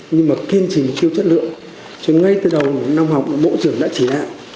nhưng mà kiên trình chiêu chất lượng cho nên ngay từ đầu năm học bộ trưởng đã chỉ đạt